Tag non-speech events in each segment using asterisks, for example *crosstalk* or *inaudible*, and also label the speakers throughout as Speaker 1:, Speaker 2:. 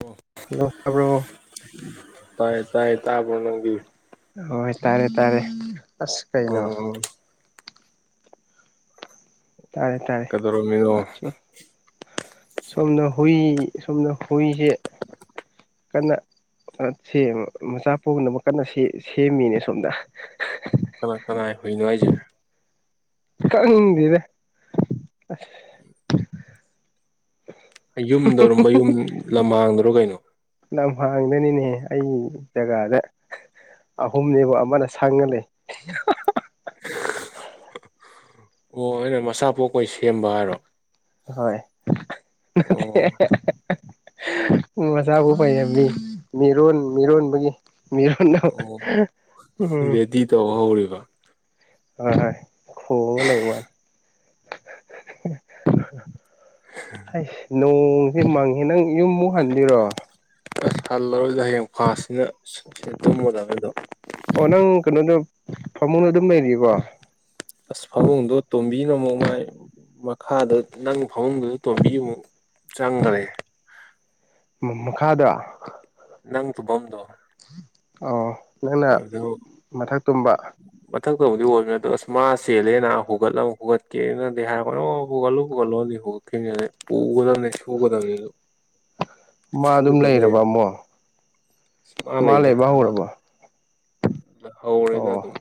Speaker 1: ꯑꯣ
Speaker 2: ꯂꯥꯛꯑꯕꯔꯣ
Speaker 1: ꯇꯥꯏꯥꯏ ꯇꯥꯏ ꯇꯕꯔꯣꯅꯗꯤ
Speaker 2: ꯍꯣꯏ ꯇꯥꯔꯦ ꯇꯥꯔꯦ ꯑꯁ ꯀꯩꯅꯣ
Speaker 1: ꯎꯝ
Speaker 2: ꯇꯥꯔꯦ ꯇꯥꯔꯦ
Speaker 1: ꯀꯩꯗꯧꯔꯝꯃꯤꯅꯣ
Speaker 2: ꯁꯣ ꯁꯣꯝꯅ ꯍꯨꯏ ꯁꯣꯝꯅ ꯍꯨꯏꯁꯦ ꯀꯟꯅ ꯁꯦꯝ ꯃꯆꯥ ꯄꯣꯛꯅꯕ ꯀꯟꯅ ꯁꯦꯝꯁꯦꯝꯃꯤꯅꯦ ꯁꯣꯝꯗ
Speaker 1: ꯀꯅꯥ ꯀꯅꯥꯥꯏ ꯍꯨꯏꯅꯣ ꯍꯥꯏꯁꯦ
Speaker 2: ꯈꯪꯗꯦꯗꯥ
Speaker 1: ꯃꯌꯨꯝꯗꯔꯣ ꯃꯌꯨꯝ ꯂꯝꯍꯥꯡꯗꯔꯣ ꯀꯩꯅꯣ
Speaker 2: ꯂꯝ ꯍꯥꯡꯗꯅꯤꯅꯦ ꯑꯩ ꯖꯒꯥꯗ ꯑꯍꯨꯝꯅꯦꯕ ꯑꯃꯅ ꯁꯪꯉꯥꯂꯩ
Speaker 1: ꯑ ꯑꯣ ꯍꯥꯏꯔꯣ ꯃꯆꯥꯄꯣꯛꯄꯩ ꯁꯦꯝꯕ ꯍꯥꯏꯔꯣ
Speaker 2: ꯍꯣꯏ ꯅꯠꯇꯦ
Speaker 1: ꯑꯣ
Speaker 2: ꯃꯆꯥꯄꯣꯀꯄꯩꯅꯤ ꯃꯤꯔꯣꯟ ꯃꯤꯔꯣꯟꯕꯒꯤ ꯃꯤꯔꯣꯟ
Speaker 1: ꯑꯣ
Speaker 2: ꯎꯝ
Speaker 1: ꯔꯦꯗꯤ ꯇꯧꯕ ꯍꯧꯔꯤꯕ
Speaker 2: ꯍꯣꯏ ꯍꯣꯏ ꯈꯣꯡꯉꯒ ꯂꯩꯕ ꯍꯁ ꯅꯣꯡꯁꯦ ꯃꯪꯉꯦ ꯅꯪ ꯌꯨꯝꯃꯨꯛ ꯍꯟꯗꯣꯏꯔꯣ
Speaker 1: ꯑꯁ ꯍꯜꯂꯔꯣꯏꯗ ꯍꯌꯦꯡ ꯐꯥꯁꯅꯤꯅ ꯁꯤ ꯇꯨꯝꯃꯗꯝꯅꯦ ꯑꯗꯨꯝ
Speaker 2: ꯑꯣ ꯅꯪ ꯀꯩꯅꯣꯗ ꯐꯃꯨꯡꯗ ꯑꯗꯨꯝ ꯂꯩꯔꯤꯕꯣ
Speaker 1: ꯑꯁ ꯐꯃꯨꯡꯗꯣ ꯇꯣꯝꯕꯤꯅ ꯃꯣꯡ ꯃꯥꯏ ꯃꯈꯥꯗ ꯅꯪ ꯐꯃꯨꯡꯗꯨꯗ ꯇꯣꯝꯕꯤ ꯑꯃꯨꯛ ꯆꯪꯒ꯭ꯔꯦ
Speaker 2: ꯃ ꯃꯈꯥꯗ
Speaker 1: ꯅꯪ ꯇꯨꯝꯐꯝꯗꯣ
Speaker 2: ꯑꯧ ꯅꯪꯅ
Speaker 1: ꯑꯗꯨ
Speaker 2: ꯃꯊꯛ ꯇꯨꯝꯕ
Speaker 1: ꯃꯊꯛꯇꯕꯨꯗꯤ ꯑꯣꯏꯕꯅꯦ ꯑꯗꯣ ꯑꯁ ꯃꯥ ꯆꯦꯜꯂꯦꯅ ꯍꯨꯒꯠꯂ ꯍꯨꯒꯠꯀꯦꯅꯗꯤ ꯍꯥꯏꯔꯛ ꯑꯣ ꯍꯨꯒꯠꯂꯨ ꯍꯨꯒꯠꯂꯣꯅꯤ ꯑꯩꯅꯅꯦ ꯄꯨꯒꯗꯕꯅꯤ ꯐꯨꯒꯗꯕꯅꯤꯅ
Speaker 2: ꯃꯥ ꯑꯗꯨꯝ ꯂꯩꯔꯕ ꯑꯃꯨꯛ
Speaker 1: *unintelligible* ꯃꯥ ꯂꯩꯗꯥ
Speaker 2: ꯂꯩꯕ ꯍꯧꯔꯕꯣ
Speaker 1: ꯍꯧꯔꯦꯗ
Speaker 2: ꯑꯣ
Speaker 1: ꯑꯗꯨꯝ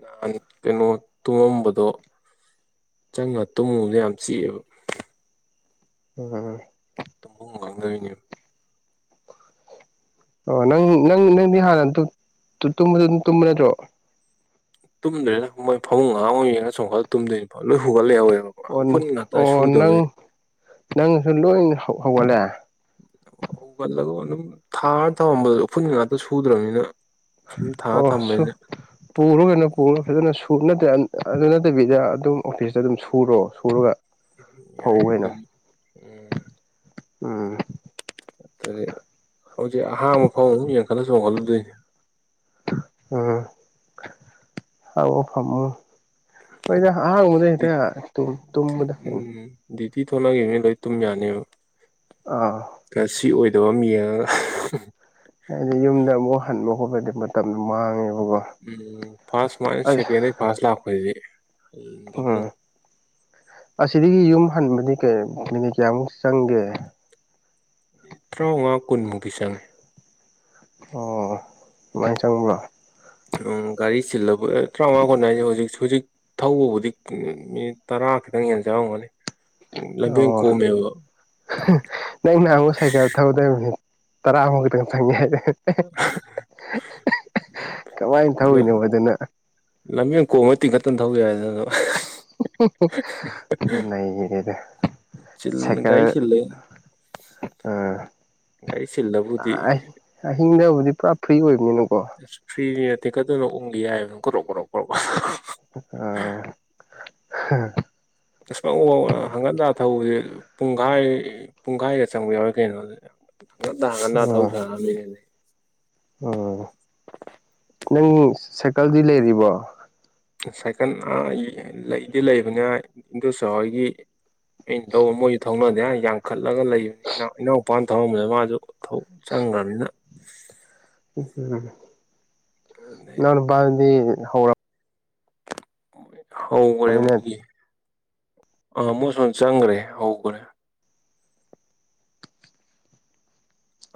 Speaker 1: ꯅꯍꯥꯟ ꯀꯩꯅꯣ ꯇꯨꯝꯃꯝꯕꯗꯣ ꯆꯪꯉ ꯇꯨꯝꯃꯨꯕꯗ ꯌꯥꯝ ꯆꯤꯛꯑꯦꯕ
Speaker 2: *unintelligible*
Speaker 1: ꯇꯨꯝꯕꯝ ꯈꯪꯗꯣꯏꯅꯦ
Speaker 2: ꯑꯣ ꯅꯪ ꯅꯪ ꯅꯪꯗꯤ ꯍꯥꯟꯅ ꯇꯨ ꯇꯨꯝꯕꯗ ꯑꯗꯨꯝ ꯇꯨꯝꯕ ꯅꯠꯇ꯭ꯔꯣ
Speaker 1: ꯇꯨꯝꯗꯦꯗ ꯃꯣꯏ ꯐꯃꯨꯡ ꯑꯍꯥꯡꯕ ꯌꯦꯡꯉꯥ ꯆꯣꯡꯈꯠꯂ ꯇꯨꯝꯗꯣꯏꯅꯤ ꯂꯣꯏ ꯍꯨꯒꯠ ꯂꯩꯍꯧꯋꯦꯕ
Speaker 2: ꯑꯣꯟ
Speaker 1: ꯎꯐꯨꯟ ꯉꯥꯛꯇ
Speaker 2: ꯑꯣ ꯅꯪ
Speaker 1: ꯁꯨꯗꯕꯩ
Speaker 2: ꯅꯪꯁꯨ ꯂꯣꯏ ꯍꯨꯒꯠꯂꯦ
Speaker 1: ꯍꯨꯒꯠꯂꯒ ꯑꯗꯨꯝ ꯊꯥꯔ ꯊꯝꯃꯝꯕꯗꯣ ꯎꯐꯨꯟ ꯉꯥꯛꯇ ꯁꯨꯗ꯭ꯔꯕꯅꯤꯅ ꯁꯨꯝ ꯊꯥꯔ
Speaker 2: ꯑꯣꯁꯨ
Speaker 1: ꯊꯝꯕꯅꯤꯅ
Speaker 2: ꯄꯨꯔꯣ ꯀꯩꯅꯣ ꯄꯨꯔ ꯐꯖꯅ ꯁꯨ ꯅꯠꯇ꯭ꯔ ꯑꯗꯨ ꯅꯠꯇꯕꯤꯗ ꯑꯗꯨꯝ ꯑꯣꯐꯤꯁꯇ ꯑꯗꯨꯝ ꯁꯨꯔꯣ ꯁꯨꯔꯒ ꯐꯧ
Speaker 1: ꯌꯥꯏ ꯑꯗꯨ
Speaker 2: ꯀꯩꯅꯣ
Speaker 1: ꯎꯝ
Speaker 2: ꯎꯝ
Speaker 1: ꯀꯔꯤ ꯍꯧꯖꯤꯛ ꯑꯍꯥꯡꯕ ꯐꯥꯎ ꯑꯗꯨꯝ ꯌꯦꯡꯈꯠꯂ ꯆꯣꯡꯈꯠꯂꯨꯗꯣꯏꯅꯤ
Speaker 2: ꯎꯝ ꯍꯥꯡꯕ ꯐꯃꯨꯡ ꯍꯣꯏꯗ ꯑꯍꯥꯡꯕꯗ ꯍꯦꯛꯇ ꯇꯨ ꯇꯨꯝꯃꯨꯗ
Speaker 1: ꯎꯝ ꯗ꯭ꯌꯨꯇꯤ ꯊꯣꯛꯂꯛꯈꯤꯕꯅꯤ ꯂꯣꯏ ꯇꯨꯝ ꯌꯥꯅꯤꯕ
Speaker 2: ꯑꯥ
Speaker 1: ꯀꯁꯤ ꯑꯣꯏꯗꯕ ꯑꯃ ꯌꯦꯡꯉꯒ
Speaker 2: ꯍꯥꯏꯗꯤ ꯌꯨꯝꯗ ꯑꯃꯨꯛ ꯍꯟꯕ ꯈꯣꯠꯄꯗ ꯃꯇꯝꯗꯣ ꯃꯥꯡꯉꯦꯕꯀꯣ
Speaker 1: ꯎꯝ ꯐꯥꯔꯁ ꯁꯨꯃꯥꯏꯅ
Speaker 2: ꯑꯁ
Speaker 1: ꯁꯦꯀꯦꯟꯗꯩ ꯐꯥꯔꯁ ꯂꯥꯛꯄꯖꯤꯗꯤ
Speaker 2: ꯎꯝ
Speaker 1: *unintelligible*
Speaker 2: ꯑꯁꯤꯗꯒꯤ ꯌꯨꯝ ꯍꯟꯕꯗꯤ ꯀꯩ ꯃꯤꯅꯤꯠ ꯀꯌꯥꯃꯨꯛ ꯆꯪꯒꯦ
Speaker 1: ꯇꯔꯥꯃꯉꯥ ꯀꯨꯟꯃꯨꯛꯇꯤ ꯆꯪꯉꯦ
Speaker 2: ꯑꯣ ꯑꯗꯨꯃꯥꯏ ꯆꯪꯕ꯭ꯔꯥ
Speaker 1: ꯎꯝ ꯒꯥꯔꯤ ꯆꯤꯜꯂꯕ ꯇꯔꯥꯃꯉꯥ ꯀꯨꯟ ꯍꯥꯏꯖꯦ ꯍꯧꯖꯤꯛ ꯍꯧꯖꯤꯛ ꯊꯧꯕꯕꯨꯗꯤ ꯃꯤꯅꯤꯠ ꯇꯔꯥ ꯈꯤꯇꯪ ꯍꯦꯟꯅ ꯆꯪꯉꯝꯒꯅꯤ ꯂꯝꯕꯦꯟ
Speaker 2: ꯑꯣ
Speaker 1: ꯀꯣꯝꯃꯦꯕ
Speaker 2: ꯅꯪ ꯅꯍꯥꯟꯃꯨꯛ ꯁꯥꯏꯀꯜ ꯊꯧꯕꯗ ꯃꯤꯅꯤꯠ ꯇꯔꯥꯃꯨꯛ ꯈꯛꯇꯪ ꯆꯪꯒꯦ ꯍꯥꯏꯗꯥꯏ ꯀꯃꯥꯏ ꯊꯧꯋꯤꯅꯣꯕ ꯑꯗꯨꯅ
Speaker 1: ꯂꯝꯕꯦꯟ ꯀꯣꯝꯃ ꯇꯤꯡꯈꯠꯇꯅ ꯊꯧ ꯌꯥꯏꯗ ꯑꯗꯨꯝ
Speaker 2: ꯅꯩꯔꯦꯗ ꯁꯥꯏꯀꯜ
Speaker 1: ꯒꯥꯔꯤ ꯆꯤꯜꯂꯦ
Speaker 2: ꯑꯥ
Speaker 1: ꯒꯥꯔꯤ ꯆꯤꯜꯂꯕꯨꯗꯤ
Speaker 2: ꯑꯥꯏ ꯑꯍꯤꯡꯗꯕꯨꯗꯤ ꯄꯨꯔꯥ ꯐ꯭ꯔꯤ ꯑꯣꯏꯕꯅꯤꯅꯀꯣ
Speaker 1: ꯑꯁ ꯐ꯭ꯔꯤꯗꯤ ꯇꯦꯀꯠꯇꯅꯥ ꯎꯪꯒꯤ ꯌꯥꯏꯕ ꯀꯔꯣꯛ ꯀꯔꯣꯛ ꯀꯔꯣꯛ
Speaker 2: ꯑ *unintelligible*
Speaker 1: *unintelligible* ꯍꯪꯒꯠ ꯍꯟꯗꯥ ꯊꯧꯕꯖꯤ ꯄꯨꯡꯒꯥꯏ ꯄꯨꯡꯒꯥꯏꯒ ꯆꯪꯕ ꯌꯥꯎꯋꯤ ꯀꯩꯅꯣ ꯑꯗꯨꯗꯤ ꯍꯡꯒꯠꯗꯥ ꯍꯡꯒꯠꯗ ꯊꯧ *unintelligible*
Speaker 2: ꯑꯣ ꯅꯪ ꯁꯥꯏꯀꯜꯗꯤ ꯂꯩꯔꯤꯕꯣ
Speaker 1: ꯁꯥꯏꯀꯜ ꯑꯥ ꯂꯩꯗꯤ ꯂꯩꯕꯅꯦ *unintelligible* ꯏꯟꯗꯣꯝꯆꯥ ꯍꯣꯏꯒꯤ ꯑꯩꯅ ꯂꯧ ꯃꯣꯏꯖꯨ ꯊꯧꯅꯗꯦ ꯍꯥꯏ ꯌꯥꯡꯈꯠꯂꯒ ꯂꯩꯕꯅꯤ ꯏꯅꯥꯎꯄꯥꯅ *unintelligible* ꯃꯥꯖꯨ ꯊꯧ ꯆꯪꯒ꯭ꯔꯕꯅꯤꯅ
Speaker 2: ꯎꯝ
Speaker 1: ꯑꯗꯩ
Speaker 2: ꯅꯅꯥꯎꯅꯨꯄꯥ ꯗꯨꯗꯤ ꯍꯧꯔ
Speaker 1: ꯍꯧꯒ꯭ꯔꯦ
Speaker 2: ꯍꯧꯔꯕꯅꯤꯅ
Speaker 1: ꯃꯣꯏꯒꯤ ꯑꯥ ꯃꯣꯏꯁꯣꯟ ꯆꯪꯒ꯭ꯔꯦ ꯍꯧꯒ꯭ꯔꯦ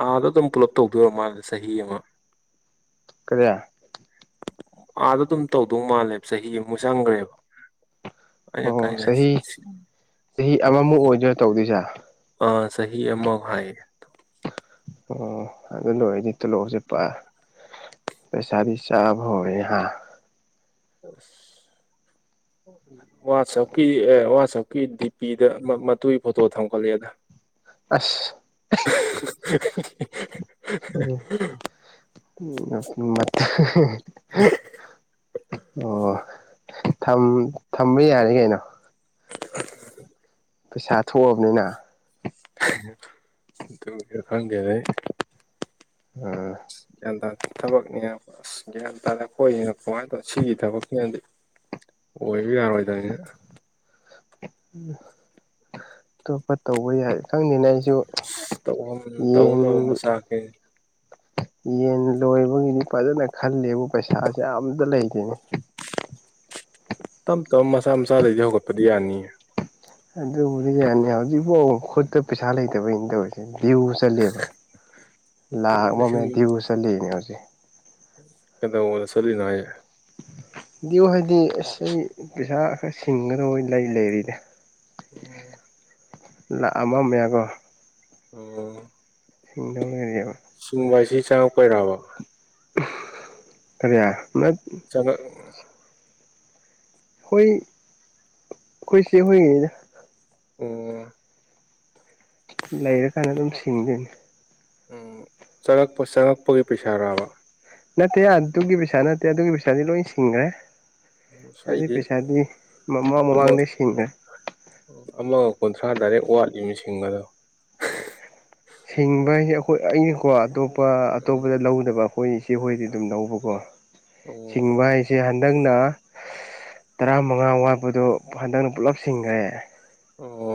Speaker 1: ꯑꯥꯗ ꯑꯗꯨꯝ ꯄꯨꯂꯞ ꯇꯧꯗꯣꯏꯑꯣꯏꯔ ꯃꯜꯂꯦ ꯆꯍꯤ ꯑꯃ
Speaker 2: ꯀꯔꯤ
Speaker 1: ꯑꯥꯗ ꯑꯗꯨꯝ ꯇꯧꯗꯧ ꯃꯥꯜꯂꯦꯕ ꯆꯍꯤ ꯑꯃꯨ ꯆꯪꯒ꯭ꯔꯦꯕ
Speaker 2: ꯑꯣ ꯆꯍꯤ ꯆꯍꯤ ꯑꯃꯃꯨꯛ ꯑꯣꯏꯗꯣꯏꯔꯥ ꯇꯧꯗꯣꯏꯁꯦ
Speaker 1: ꯑ ꯆꯍꯤ ꯑꯃꯧ ꯍꯥꯏꯌꯦ
Speaker 2: ꯑꯣ ꯑꯗꯨ ꯂꯣꯏꯔꯗꯤ ꯇꯣꯂꯣꯞꯁꯦ ꯄ ꯄꯩꯁꯥꯕꯤ ꯆꯥꯕ ꯍꯧꯔꯦ ꯍ
Speaker 1: *unintelligible* ꯋꯥꯆꯞꯀꯤ ꯑꯦ ꯋꯥꯆꯞꯀꯤ ꯗꯤꯄꯤꯗ ꯃ ꯃꯇꯨꯒꯤ ꯐꯣꯇꯣ ꯊꯝꯀꯠꯂꯛꯑꯦꯗ
Speaker 2: ꯑꯁ *unintelligible* ꯊꯝ ꯊꯝꯕ ꯌꯥꯔꯦ ꯀꯩꯅꯣ
Speaker 1: *unintelligible*
Speaker 2: ꯄꯩꯁꯥ ꯊꯣꯑꯕꯅꯤꯅ
Speaker 1: *unintelligible*
Speaker 2: ꯎꯝ
Speaker 1: ꯒꯌ꯭ꯥꯟ ꯇꯥꯗꯦ ꯊꯕꯛꯅꯦꯑ ꯑꯁ ꯒ꯭ꯌꯥꯟ ꯇꯥꯗꯦ ꯈꯣꯏꯖꯤꯅ ꯀꯃꯥꯏꯅ ꯇꯧ ꯁꯤꯒꯤ ꯊꯕꯛꯁꯤꯅꯗꯤ ꯑꯣꯏꯌꯨ ꯌꯥꯔꯣꯏꯗꯕꯅꯤꯅ
Speaker 2: ꯑꯇꯣꯞꯄ ꯇꯧꯕ ꯌꯥꯏ ꯈꯪꯗꯦꯅ ꯑꯩꯖꯨ
Speaker 1: ꯇꯧꯐꯝ
Speaker 2: ꯌꯦꯟ
Speaker 1: ꯇꯧꯅꯕ ꯃꯆꯥꯛꯁꯦ
Speaker 2: ꯌꯦꯟ ꯂꯣꯏꯕꯒꯤꯅꯤ ꯐꯖꯅ ꯈꯜꯂꯦꯕꯨ ꯄꯩꯁꯥꯖꯦ ꯑꯝꯇ ꯂꯩꯇꯦꯅꯦ
Speaker 1: ꯇꯞ ꯇꯞꯅ ꯃꯆꯥ ꯃꯆꯥꯗꯩꯗꯤ ꯍꯧꯒꯠꯄꯗꯤ ꯌꯥꯅꯤꯌꯦ
Speaker 2: ꯑꯗꯨꯕꯨꯗꯤ ꯌꯥꯅꯤ ꯍꯧꯖꯤꯛꯕꯧ ꯈꯨꯠꯇ ꯄꯩꯁꯥ ꯂꯩꯇꯕꯩꯅꯤ ꯇꯧꯔꯤꯁꯦ ꯗꯤꯎ ꯆꯠꯂꯤꯌꯦꯕ ꯂꯥꯛ ꯑꯃ ꯃꯌꯥ
Speaker 1: ꯂꯤꯁꯤꯡ
Speaker 2: ꯗꯤꯎ ꯆꯠꯂꯤꯅꯦ ꯍꯧꯖꯤꯛ
Speaker 1: ꯀꯩꯗꯧꯕꯗ ꯆꯠꯂꯤꯅꯣ ꯍꯥꯏꯖꯦ
Speaker 2: ꯗꯤꯎ ꯍꯥꯏꯗꯤ ꯑꯁ ꯑꯩ ꯄꯩꯁꯥ ꯈꯔ ꯁꯤꯡꯒꯗ ꯂꯩ ꯂꯩꯔꯤꯅꯦ
Speaker 1: ꯑꯣ
Speaker 2: ꯂꯥꯛ ꯑꯃ ꯃꯌꯥꯀꯣ
Speaker 1: ꯑꯣ
Speaker 2: ꯁꯤꯡꯗꯧ ꯂꯩꯔꯦꯕ
Speaker 1: ꯁꯤꯡꯕ ꯍꯥꯏꯁꯤ ꯆꯪꯉꯛꯄꯩꯔꯕ
Speaker 2: ꯎꯝ ꯀꯔꯤ ꯅꯠ
Speaker 1: ꯆꯪꯉꯛ
Speaker 2: ꯍꯣꯏ ꯑꯩꯈꯣꯏ ꯆꯦ ꯍꯣꯏꯒꯤꯅꯤꯗ
Speaker 1: ꯎꯝ
Speaker 2: ꯂꯩꯔ ꯀꯥꯟꯗ ꯑꯗꯨꯝ ꯁꯤꯡꯗꯣꯏꯅꯤ
Speaker 1: ꯎꯝ ꯆꯪꯉꯛꯄ ꯆꯪꯉꯛꯄꯒꯤ ꯄꯩꯁꯥꯔꯕ
Speaker 2: ꯅꯠꯇꯦ ꯑꯗꯨꯒꯤ ꯄꯩꯁꯥ ꯅꯠꯇꯦ ꯑꯗꯨꯒꯤ ꯄꯩꯁꯥꯗꯤ ꯂꯣꯏ ꯁꯤꯡꯒ꯭ꯔꯦ
Speaker 1: ꯑꯁ
Speaker 2: ꯑꯗꯨꯏ
Speaker 1: ꯑꯩꯗꯤ
Speaker 2: ꯄꯩꯁꯥꯗꯤ ꯃꯃꯥꯡ
Speaker 1: ꯑꯃ
Speaker 2: ꯃꯃꯥꯡꯗꯒꯤ ꯁꯤꯡꯒ꯭ꯔꯦ
Speaker 1: ꯑꯃꯒ ꯀꯨꯟꯊ꯭ꯔꯥ ꯗꯥꯏꯔꯦꯛ ꯋꯥꯠꯂꯤꯅꯦ ꯁꯤꯡꯒꯗꯕ
Speaker 2: ꯁꯤꯡꯕ ꯍꯥꯏꯁꯦ ꯑꯩꯈꯣꯏ ꯑꯩꯒꯤꯀꯣ ꯑꯇꯣꯞꯄ ꯑꯇꯣꯞꯄꯗ ꯂꯧꯗꯕ ꯑꯈꯣꯏ ꯆꯦ ꯍꯣꯏꯗꯩ ꯑꯗꯨꯝ ꯂꯧꯕꯀꯣ
Speaker 1: ꯑꯣ
Speaker 2: ꯁꯤꯡꯕ ꯍꯥꯏ ꯖꯦ ꯍꯟꯗꯛꯅ ꯇꯔꯥ ꯃꯉꯥ ꯋꯥꯠꯄꯗꯣ ꯍꯟꯗꯛꯅ ꯄꯨꯂꯞ ꯁꯤꯡꯒ꯭ꯔꯦ
Speaker 1: ꯑꯣ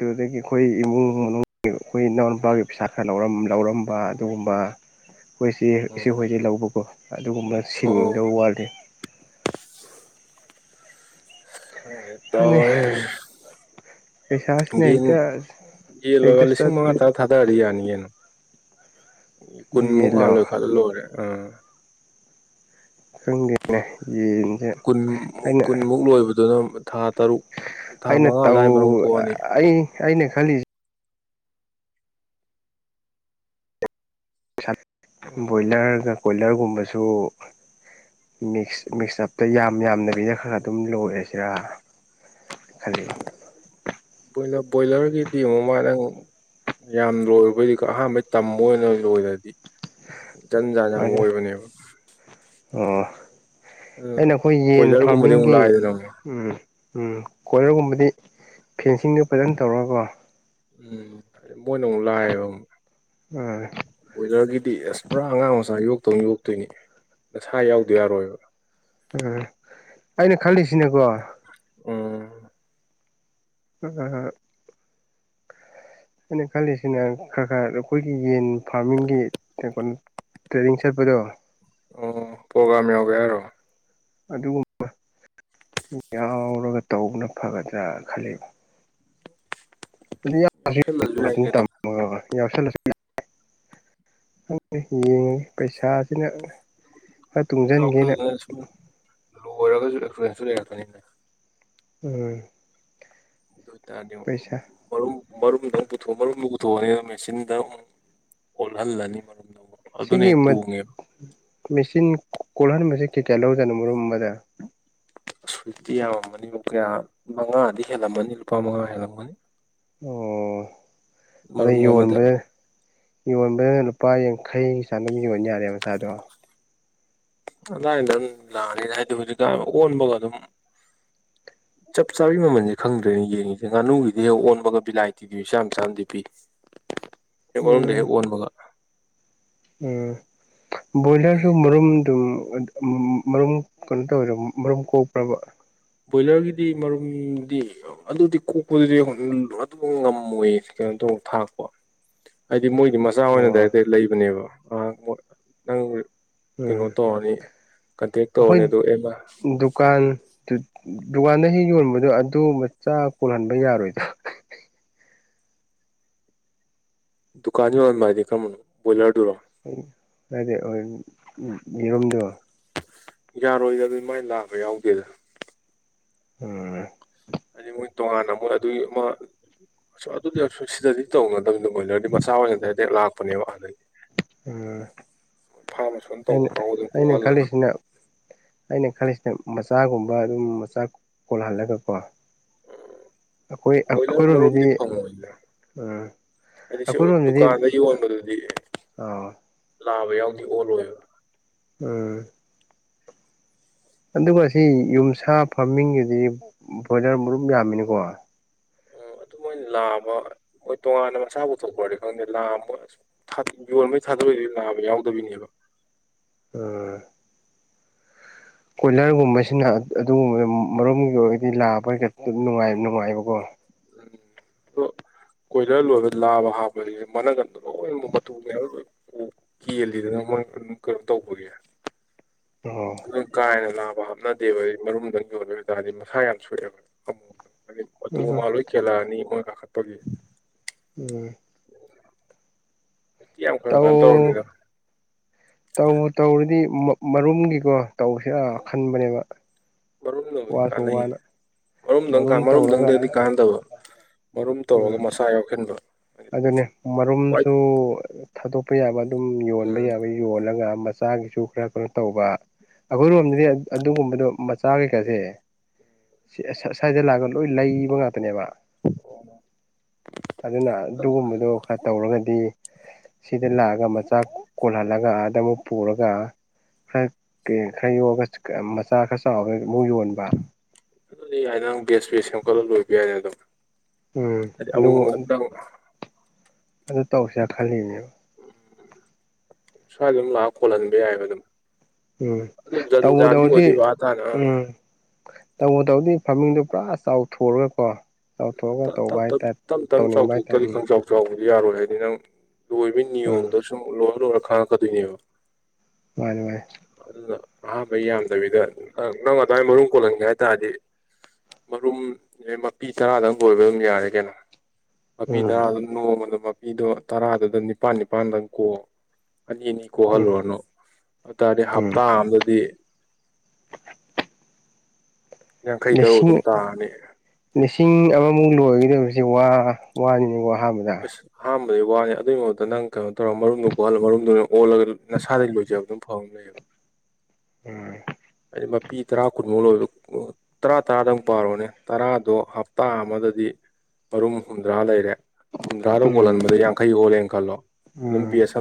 Speaker 2: ꯑꯗꯨꯗꯒꯤ ꯑꯩꯈꯣꯏ ꯏꯃꯨꯡ ꯃꯅꯨꯡꯒꯤ ꯑꯩꯈꯣꯏ ꯏꯅꯥꯎꯅꯨꯄꯥꯒꯤ ꯄꯩꯁꯥ ꯈꯔ ꯂꯧꯔꯝ ꯂꯧꯔꯝꯕ ꯑꯗꯨꯒꯨꯝꯕ ꯑꯩꯈꯣꯏ ꯆꯦ ꯏꯆꯦ
Speaker 1: ꯑꯣ
Speaker 2: ꯍꯣꯏꯗꯩ ꯂꯧꯕꯀꯣ ꯑꯗꯨꯒꯨꯝꯕ
Speaker 1: ꯑꯣ
Speaker 2: ꯁꯤꯡꯗꯧ ꯋꯥꯠꯂꯤ
Speaker 1: ꯈꯪꯗꯔ꯭ꯦꯗ
Speaker 2: ꯈꯪꯗꯦ
Speaker 1: ꯇꯧꯔꯦ
Speaker 2: ꯄꯩꯁꯥꯁꯤꯅ
Speaker 1: ꯌꯦꯟ
Speaker 2: ꯍꯦꯛꯇ
Speaker 1: ꯌꯦꯟ ꯂꯣꯏꯕ
Speaker 2: ꯍꯦꯛꯇ
Speaker 1: ꯂꯤꯁꯤꯡ
Speaker 2: ꯆꯠꯂꯤ
Speaker 1: ꯃꯉꯥ ꯇꯔꯥ ꯊꯥꯗꯔꯗꯤ ꯌꯥꯅꯤ ꯀꯩꯅꯣ ꯀꯨꯟꯃꯨꯛ
Speaker 2: ꯌꯦꯟꯂꯣ
Speaker 1: ꯍꯥꯟꯅ ꯂꯣꯏꯈꯠꯂ ꯂꯣꯏꯔꯦ ꯑꯥ
Speaker 2: ꯈꯪꯗꯦꯅꯦ ꯌꯦꯟꯁꯦ
Speaker 1: ꯀꯨꯟ
Speaker 2: ꯑꯩꯅ
Speaker 1: ꯀꯨꯟꯃꯨꯛ ꯂꯣꯏꯕ ꯑꯗꯨꯝ ꯊꯥ ꯇꯔꯨꯛ ꯊꯥ ꯃꯉꯥ ꯑꯗꯨꯋꯥꯏ ꯃꯔꯨꯝ ꯀꯣꯛꯑꯅꯤ
Speaker 2: ꯑꯩꯅꯦ ꯈꯜꯂꯤ
Speaker 1: ꯎꯝ
Speaker 2: ꯕꯣꯏꯂꯔꯒ ꯀꯣꯏꯂꯔꯒꯨꯝꯕꯁꯨ ꯃꯤꯛꯁ ꯃꯤꯛꯁ ꯑꯞꯇ ꯌꯥꯝ ꯌꯥꯝꯗꯕꯤꯗ ꯈꯔ ꯑꯗꯨꯝ ꯂꯣꯏꯔꯁꯤꯔꯥ ꯈꯜꯂꯤꯕ
Speaker 1: ꯕꯣꯏꯂꯔꯒꯤꯗꯤ ꯑꯃꯨꯛ ꯃꯥ ꯅꯪ ꯌꯥꯝ ꯂꯣꯏꯕꯣꯏꯗꯤ ꯑꯍꯥꯟꯕꯩ ꯇꯝꯕ ꯑꯣꯏꯅ ꯂꯣꯏꯔꯗꯤ ꯖꯟ ꯖꯥꯟ ꯌꯥꯝ
Speaker 2: ꯑꯗꯨꯃꯥꯏꯅ
Speaker 1: ꯑꯣꯏꯕꯅꯦꯕ
Speaker 2: ꯑꯣ
Speaker 1: ꯑꯗꯨꯅ
Speaker 2: ꯑꯩꯅ ꯑꯩꯈꯣꯏ ꯌꯦꯟ
Speaker 1: ꯀꯣꯏꯂꯔꯒꯨꯝꯕꯗꯤ ꯑꯃꯨꯛ
Speaker 2: ꯐꯥꯔꯃꯤꯡꯒꯤ
Speaker 1: ꯂꯥꯏꯗꯅ ꯑꯃꯨꯛ
Speaker 2: ꯎꯝ ꯎꯝ ꯀꯣꯂꯔꯒꯨꯝꯕꯗꯤ ꯐꯦꯟꯁꯤꯡꯗꯣ ꯐꯖꯅ ꯇꯧꯔꯒꯀꯣ
Speaker 1: ꯎꯝ ꯃꯣꯏꯅ ꯑꯃꯨꯛ ꯂꯥꯛꯑꯌꯦꯕ ꯑꯃꯨꯛ
Speaker 2: ꯎꯝ
Speaker 1: ꯕꯣꯏꯂꯔꯒꯤꯗꯤ ꯑꯁ ꯄꯨꯔꯥ ꯑꯉꯥꯡ ꯃꯆꯥ ꯌꯣꯛꯇꯧꯅ ꯌꯣꯛꯇꯣꯏꯅꯤ ꯅꯁꯥ ꯌꯥꯎꯗ ꯌꯥꯔꯣꯏꯕ
Speaker 2: ꯎꯝ ꯑꯩꯅ ꯈꯜꯂꯤꯁꯤꯅꯦꯀꯣ
Speaker 1: ꯎꯝ
Speaker 2: ꯎꯝ ꯑꯩꯅ ꯈꯜꯂꯤꯁꯤꯅ ꯈꯔ ꯈꯔ ꯑꯩꯈꯣꯏꯒꯤ ꯌꯦꯟ ꯐꯥꯔꯃꯤꯡꯒꯤ ꯀ ꯀꯣ ꯇ꯭ꯔꯦꯅꯤꯡꯡ ꯁꯦꯠꯄꯗꯣ
Speaker 1: ꯑꯣ ꯄ꯭ꯔꯣꯒꯥꯝ ꯌꯥꯎꯒꯦ ꯌꯥꯔꯣ
Speaker 2: ꯑꯗꯨꯒꯨꯝꯕ ꯌꯥꯎꯔꯒ ꯇꯧꯕꯅ ꯐꯒꯗ꯭ꯔꯥ ꯈꯜꯂꯤꯕ
Speaker 1: ꯌꯥꯎꯁꯜꯂꯁꯨ ꯌꯥꯏ
Speaker 2: ꯑꯗꯨ
Speaker 1: ꯀꯩꯅꯣ
Speaker 2: ꯌꯥꯝꯃꯦ ꯌꯥꯎꯁꯜꯂꯁꯨ ꯌꯦꯡꯉꯦ ꯄꯩꯁꯥꯁꯤꯅ ꯈꯔ
Speaker 1: ꯑꯗꯨꯝ
Speaker 2: ꯇꯨꯡꯁꯤꯟꯒꯦꯅ
Speaker 1: ꯌꯥꯎꯈꯠꯂꯒꯅ ꯁꯨꯝ ꯂꯣꯏꯔꯒꯁꯨ ꯑꯦꯛꯐꯦꯟꯁꯁꯨ ꯂꯩꯔꯛꯄꯅꯤꯅ
Speaker 2: ꯎꯝ
Speaker 1: ꯗꯤ
Speaker 2: ꯄꯩꯁꯥ
Speaker 1: ꯃꯔꯨꯝ ꯃꯔꯔꯨꯝꯗ ꯄꯨꯊ ꯃꯔꯔꯨꯝꯗ ꯄꯨꯊꯣꯛꯅꯤ ꯃꯦꯆꯤꯟꯗ ꯑꯣꯜꯍꯜꯂꯅꯤ ꯃꯔꯝ ꯅ
Speaker 2: ꯁꯤꯒꯤ ꯃꯦꯆꯤꯟ ꯀꯣꯜꯍꯟꯕꯕꯁꯤꯦ ꯀꯩ ꯀꯌꯥ ꯂꯧꯗꯅꯣ ꯃꯔꯨꯝ ꯑꯃꯗ
Speaker 1: ꯑ ꯁꯨꯏꯠꯇꯤ ꯌꯥꯝꯝꯃꯅꯤ ꯀꯌꯥ ꯃꯉꯥꯗꯤ ꯍꯦꯜꯂꯝꯃꯅꯤ ꯂꯨꯄꯥ ꯃꯉꯥ ꯍꯦꯜꯂꯝꯃꯅꯤ
Speaker 2: ꯑꯣ ꯑꯗ
Speaker 1: ꯃꯔꯨꯝ ꯑꯃꯗ
Speaker 2: ꯌꯣꯟꯕ ꯌꯣꯟꯕꯗꯅ ꯂꯨꯄꯥ ꯌꯥꯡꯈꯩꯒꯤ ꯆꯥ ꯑꯗꯨꯝ ꯌꯣꯟ ꯌꯥꯔꯦꯕ ꯃꯆꯥꯗꯣ
Speaker 1: ꯑꯗꯨꯥꯏꯅꯗ ꯑꯗꯨꯝ ꯂꯥꯛꯑꯅꯤꯅ ꯍꯥꯏꯗꯤ ꯍꯧꯖꯤꯛꯀ ꯑꯣꯟꯕꯒ ꯑꯗꯨꯝ ꯆꯞ ꯆꯥꯕꯤꯒꯤ ꯃꯃꯜꯁꯦ ꯈꯪꯗ꯭ꯔꯦꯅꯦ ꯌꯦꯡꯉꯤꯁꯦ ꯉꯥꯅꯨꯒꯤꯗꯤ ꯍꯦꯛ ꯑꯣꯟꯕꯒ ꯕꯤꯂꯥꯏꯇꯤꯒꯤ ꯃꯤꯆꯥꯥ ꯆꯥꯅꯗꯤ ꯄꯤ ꯍꯦꯛ ꯋꯥꯔꯝꯗ
Speaker 2: ꯎꯝ
Speaker 1: ꯍꯦꯛ ꯑꯣꯟꯕꯒ
Speaker 2: ꯎꯝ ꯕꯣꯏꯂꯔꯁꯨ
Speaker 1: ꯑꯗꯩ
Speaker 2: ꯃꯔꯨꯝ ꯑꯗꯨꯝ ꯃꯔꯨꯝ ꯀꯩꯅꯣ ꯇꯧꯋꯦꯗ ꯃꯔꯨꯝ ꯀꯣꯛꯄ꯭ꯔꯕ
Speaker 1: ꯕꯣꯏꯂꯔꯒꯤꯗꯤ ꯃꯔꯨꯝꯗꯤ ꯑꯗꯨꯗꯤ ꯀꯣꯛꯄꯗꯨꯗꯤ ꯑꯗꯨꯃꯛ ꯉꯝꯃꯣꯏ ꯀꯩꯅꯣ ꯇ ꯊꯥꯛꯄ ꯍꯥꯏꯗꯤ ꯃꯣꯏꯗꯤ ꯃꯆꯥ ꯑꯣꯏꯅ
Speaker 2: ꯑꯣ
Speaker 1: ꯗꯥꯏꯦꯛ ꯂꯩꯕꯅꯦꯕ ꯑ ꯅꯪ ꯀꯩꯅꯣ
Speaker 2: ꯎꯝ
Speaker 1: ꯇꯧꯔꯅꯤ ꯀꯟꯇꯦꯛ ꯇꯧꯔꯅꯤ
Speaker 2: ꯑꯩꯈꯣꯏ
Speaker 1: ꯑꯗꯨ ꯑꯦꯃ
Speaker 2: ꯗꯨꯀꯥꯟ ꯗꯨꯀꯥꯟꯗ ꯍꯦꯛ ꯌꯣꯟꯕꯗꯣ ꯑꯗꯨ ꯃꯆꯥ ꯀꯣꯜꯍꯟꯕ ꯌꯥꯔꯣꯏꯗ꯭ꯔꯥ
Speaker 1: ꯗꯨꯀꯥꯟ ꯌꯣꯟꯣꯟꯕ ꯍꯥꯏꯗꯤ ꯀꯔꯝꯕꯅꯣ ꯕꯣꯏꯂꯔꯗꯨꯔꯣ
Speaker 2: ꯍꯥꯏꯗꯤ ꯌꯦꯔꯣꯝꯗꯣ
Speaker 1: ꯌꯥꯔꯣꯏꯗꯕ ꯃꯥꯏ ꯂꯥꯛꯕ ꯌꯥꯎꯗꯦꯗ
Speaker 2: ꯎꯝ
Speaker 1: ꯑꯗꯩ ꯃꯣꯏ ꯇꯣꯉꯥꯟꯅ ꯃꯣꯏ ꯑꯗꯨꯏ ꯑꯃ ꯑ ꯑꯗꯨꯗꯤ ꯁꯤꯗꯗꯤ ꯇꯧꯅꯗꯕꯗ ꯣꯏꯂꯔꯗꯤ ꯃꯆꯥ ꯑꯣꯏꯅ ꯍꯦ ꯍꯦꯛ ꯂꯥꯛꯄꯅꯦꯕ ꯍꯥꯟꯅꯗꯤ
Speaker 2: ꯎꯝ
Speaker 1: ꯑꯁꯣꯟ
Speaker 2: ꯑꯩꯅ
Speaker 1: ꯇꯧꯕ ꯀꯥꯡꯕꯨꯗꯨꯅ
Speaker 2: ꯑꯩꯅ
Speaker 1: ꯀꯣꯛꯍꯜꯂꯒ
Speaker 2: ꯈꯜꯂꯤꯁꯤꯅ ꯑꯩꯅ ꯈꯜꯂꯤꯁꯤꯅ ꯃꯆꯥꯒꯨꯝꯕ ꯑꯗꯨꯝ ꯃꯆꯥ ꯀꯣꯜꯍꯜꯂꯒꯀꯣ
Speaker 1: ꯑꯣ
Speaker 2: ꯑꯩꯈꯣꯏ
Speaker 1: ꯕꯣꯏꯂꯔ ꯃꯔꯣꯝꯗꯤ
Speaker 2: ꯑꯩꯈꯣꯏꯔꯣꯝꯗꯗꯤ
Speaker 1: ꯐꯪꯉꯣꯏꯗ ꯍꯥꯏꯗꯤ ꯗꯨꯀꯥꯟꯗ ꯏ ꯌꯣꯟꯕꯗꯨꯗꯤ ꯑꯦ
Speaker 2: ꯑꯣ
Speaker 1: ꯂꯥꯕ ꯌꯥꯎꯗꯤ ꯑꯣꯔꯣꯏꯕ
Speaker 2: ꯎꯝ ꯑꯗꯨꯒ ꯁꯤ ꯌꯨꯝꯁꯥ ꯐꯥꯔꯃꯤꯡꯒꯤꯗꯤ ꯕꯣꯏꯂꯔ ꯃꯔꯨꯞ ꯌꯥꯝꯃꯤꯅꯤꯀꯣ
Speaker 1: ꯑꯗꯨ ꯃꯣꯏꯅ ꯂꯥꯑꯕ ꯃꯣꯏ ꯇꯣꯉꯥꯟꯅ ꯃꯁꯥ ꯄꯨꯊꯣꯛꯄ꯭ꯔꯗꯤ ꯈꯪꯗꯦ ꯂꯥꯣꯏ ꯑ ꯌꯣꯟꯕꯉꯩ ꯊꯥꯗꯣꯔꯛꯏꯗꯣꯏ ꯅꯥꯕ ꯌꯥꯎꯗꯕꯅꯦꯕ
Speaker 2: ꯎꯝ ꯀꯣꯏꯂꯔꯒꯨꯝꯕꯁꯤꯅ ꯑꯗꯨꯒꯨꯝꯕ ꯃꯔꯣꯝꯒꯤ ꯑꯣꯏꯔꯗꯤ ꯂꯥꯕ ꯅꯨꯡꯉꯥꯏꯕꯀꯣ
Speaker 1: ꯎꯝ ꯑꯗꯣ ꯀꯣꯏꯗ ꯂꯣꯏꯕ ꯂꯥꯕ ꯍꯥꯞꯄꯦ ꯃꯅꯒꯟꯗꯣ ꯂꯣꯏꯅꯃꯛ ꯃꯇꯨ ꯃꯌꯥꯝꯕ ꯂꯣꯏ ꯀꯦꯜꯂꯤꯗꯅꯪ ꯃꯣꯏ ꯀꯩꯅꯣ ꯇꯧꯕꯒꯤꯦ
Speaker 2: ꯍ ꯍꯣ
Speaker 1: ꯑꯗꯨ ꯀꯥꯏꯅ ꯂꯥꯕ ꯍꯥꯞꯅꯗꯦꯕ ꯃꯔꯨꯝꯗꯪ ꯌꯣꯜꯂꯦꯕꯇꯥꯥꯔꯗꯤ ꯃꯁꯥ ꯌꯥꯝ ꯁꯣꯛꯑꯦꯕ ꯑꯃꯨꯛ ꯍꯥꯏꯗꯤ ꯃꯇꯨ
Speaker 2: ꯎꯝ
Speaker 1: ꯑꯃ ꯂꯣꯏ ꯀꯦꯜꯂꯛꯑꯅꯤ ꯃꯣꯏ ꯀꯥꯈꯠꯄꯒꯤ
Speaker 2: ꯎꯝ
Speaker 1: ꯌꯥꯝꯒ ꯇꯧꯔꯗꯣ
Speaker 2: ꯇꯧ ꯇꯧꯔꯗꯤ ꯃꯔꯨꯝꯒꯤꯀꯣ ꯇꯧꯁꯤ ꯈꯟꯕꯅꯦꯕ
Speaker 1: ꯃꯔꯨꯝꯗꯕꯨꯗꯤ
Speaker 2: ꯋꯥꯁꯨ
Speaker 1: ꯀꯥꯟꯅꯩ
Speaker 2: ꯋꯥꯅ
Speaker 1: ꯃꯔꯨꯝꯗꯪ
Speaker 2: ꯃꯔꯨꯝ ꯇꯧꯔꯒ
Speaker 1: ꯃꯔꯨꯝꯗꯪꯗꯗꯤ ꯀꯥꯟꯅꯗꯕ ꯃꯔꯨꯝ ꯇꯧꯔꯒ
Speaker 2: ꯎꯝ
Speaker 1: ꯃꯁꯥ ꯌꯥꯎꯁꯤꯟꯕ
Speaker 2: ꯑꯗꯨꯅꯦ ꯃꯔꯨꯝꯁꯨ ꯊꯥꯗꯣꯛꯄ ꯌꯥꯕ ꯑꯗꯨꯝ ꯌꯣꯟꯕ
Speaker 1: ꯎꯝ
Speaker 2: ꯌꯥꯕ ꯌꯣꯜꯂꯒ ꯃꯆꯥꯒꯤꯁꯨ ꯈꯔ ꯀꯩꯅꯣ ꯇꯧꯕ ꯑꯩꯈꯣꯏꯔꯣꯝꯗꯗꯤ ꯑꯗꯨꯒꯨꯝꯕꯗꯣ ꯃꯆꯥ ꯀꯩꯀꯥꯁꯦ ꯁ ꯁ꯭ꯏꯗ ꯂꯥꯛꯑꯒ ꯂꯣꯏ ꯂꯩꯕ ꯉꯥꯛꯇꯅꯦꯕ ꯑꯗꯨꯅ ꯑꯗꯨꯒꯨꯝꯕꯗꯨꯣ ꯈꯔ ꯇꯧꯔꯒꯗꯤ ꯁꯤꯗ ꯂꯥꯛꯑꯒ ꯃꯆꯥ ꯀꯣꯜꯍꯜꯂꯒꯗ ꯑꯃꯨꯛ ꯄꯨꯔꯒ ꯈꯔ ꯈꯔ ꯌꯣꯛꯂꯒ ꯃꯆꯥ ꯈꯔ ꯆꯥꯎꯔꯒ ꯑꯃꯨꯛ ꯌꯣꯟꯕ
Speaker 1: ꯑꯗꯨꯗꯤ ꯌꯥꯏ ꯅꯪ ꯕꯦꯁ ꯕꯦꯁ ꯁꯦꯝꯒꯠꯂ ꯂꯣꯏꯕ ꯌꯥꯏꯅꯦ ꯑꯗꯨꯝ
Speaker 2: ꯎꯝ
Speaker 1: ꯍꯥꯏꯗꯤ ꯑꯃꯨꯛ
Speaker 2: ꯑꯗꯨ
Speaker 1: ꯑꯃꯨꯛꯛꯇꯪ
Speaker 2: ꯑꯗꯨ ꯇꯧꯁꯦꯥ ꯈꯜꯂꯤꯅꯦꯕ
Speaker 1: ꯎꯝ ꯁ꯭ꯋꯥꯏ ꯑꯗꯨꯝ ꯂꯥꯛ ꯈꯣꯜꯍꯟꯕ ꯌꯥꯏꯑꯕ ꯑꯗꯨꯝ
Speaker 2: ꯎꯝ
Speaker 1: ꯑꯗꯨ ꯑꯗꯨ
Speaker 2: ꯇꯧꯕꯨ ꯇꯧꯔꯗꯤ
Speaker 1: ꯟꯖꯥꯗꯕꯗꯤ ꯋꯥꯇꯥꯅ
Speaker 2: ꯇꯧꯕꯣ ꯇꯧꯗꯤ ꯐꯥꯃꯤꯡꯗꯨꯣ ꯄꯨꯔꯥ ꯆꯥꯎꯊꯣꯔꯒꯀꯣ ꯍꯥꯏꯇꯥꯔꯦ
Speaker 1: ꯆꯥꯎꯊꯣꯛꯇꯔꯤ
Speaker 2: ꯎꯝ
Speaker 1: ꯈꯪ ꯆꯥꯎ ꯆꯥꯎꯕꯗꯤ ꯌꯥꯔꯣꯏ ꯍꯥꯏꯗꯤ ꯅꯪ ꯂꯣꯏꯕ
Speaker 2: ꯎꯝ
Speaker 1: ꯅꯤꯌꯣꯝꯗ ꯁꯨꯝ ꯂꯣꯏꯔ ꯂꯣꯏꯔ ꯈꯪꯉꯛꯀꯗꯣꯏꯅꯦꯕ
Speaker 2: ꯃꯥꯅꯦ ꯃꯥꯅꯦ
Speaker 1: ꯑꯗꯨꯅ ꯑꯍꯥꯥꯟꯕ ꯌꯥꯝꯗꯕꯤꯗꯪ ꯅꯪ ꯑꯗꯨꯋꯥꯏ ꯃꯔꯨꯝ ꯀꯣꯜꯍꯟꯒꯦ ꯍꯥꯏ ꯇꯥꯔꯗꯤ ꯃꯔꯨꯝ ꯃꯄꯤ ꯇꯔꯥꯗꯪ ꯀꯣꯏꯕ ꯑꯗꯨꯝ ꯌꯥꯔꯦ ꯀꯩꯅꯣ ꯃꯄꯤ
Speaker 2: ꯎꯝ
Speaker 1: ꯇꯔꯥ ꯑꯗꯨꯝ ꯅꯣꯡꯃꯗ ꯃꯄꯤꯗꯣ ꯇꯔꯥꯗꯨꯗꯪ ꯅꯤꯄꯥꯜ ꯅꯤꯄꯥꯜꯗꯪ ꯀꯣꯛ ꯑꯅꯤ ꯑꯅꯤ
Speaker 2: ꯎꯝ
Speaker 1: ꯀꯣꯛꯍꯜꯂꯨꯔꯅꯨ ꯑꯗꯨ ꯇꯔꯗꯤ
Speaker 2: ꯎꯝ
Speaker 1: ꯍꯞꯇꯥ ꯑꯝꯗꯗꯤ ꯌꯥꯡꯈꯩ ꯇꯔꯨꯛ ꯑꯗꯨꯝ
Speaker 2: ꯁꯤꯡ
Speaker 1: ꯇꯥꯔꯅꯤ
Speaker 2: ꯂꯤꯁꯤꯡ ꯑꯃꯃꯨꯛ ꯂꯣꯏꯒꯗꯁꯦ ꯋꯥ ꯋꯥꯅꯤꯅꯤꯀꯣ ꯑꯍꯥꯟꯕꯗ
Speaker 1: ꯑꯍꯥꯟꯕꯗꯩ ꯋꯥꯅꯤ ꯑꯗꯨꯒꯤ ꯃꯍꯨꯠꯇ ꯅꯪ ꯀꯩꯅꯣ ꯇꯧꯔꯒ ꯃꯔꯨꯝꯗꯨꯣ ꯀꯣꯜ ꯃꯔꯨꯝꯗꯨ ꯅꯪ ꯑꯣꯜꯂꯒ ꯅꯁꯥꯗꯒꯤ ꯂꯣꯏꯖꯕ ꯑꯗꯨꯝ ꯐꯕ ꯂꯩꯌꯦꯕ
Speaker 2: ꯎꯝ
Speaker 1: ꯍꯥꯏꯗꯤ ꯃꯄꯤ ꯇꯔꯥ ꯀꯨꯟꯃꯨꯛ ꯂꯣꯏꯕ ꯇꯔꯥ ꯇꯔꯥꯗꯪꯨꯛ ꯄꯥꯔꯣꯅꯦ ꯇꯔꯥꯗꯣ ꯍꯞꯇꯥ ꯑꯃꯗꯗꯤ ꯃꯔꯔꯨꯝ ꯍꯨꯝꯗ꯭ꯔꯥ ꯂꯩꯔꯦ ꯍꯨꯝꯗ꯭ꯔꯥꯗ ꯀꯣꯜꯍꯟꯕꯗ ꯌꯥꯡꯈꯩ ꯍꯣꯜꯂꯦꯅ ꯈꯜꯂꯣ ꯑꯗꯨꯝ
Speaker 2: ꯎꯝ
Speaker 1: ꯕꯤꯁ